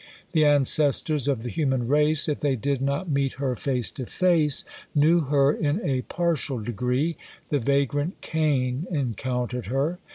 The ancestors of the human race, if they did not meet her face to face, knew her in a partial degree; the vagrant Cain encountered her.